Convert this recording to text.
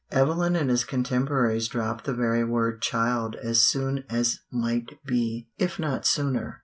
Evelyn and his contemporaries dropped the very word child as soon as might be, if not sooner.